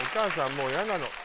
もう嫌なの。